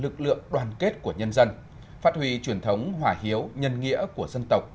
lực lượng đoàn kết của nhân dân phát huy truyền thống hỏa hiếu nhân nghĩa của dân tộc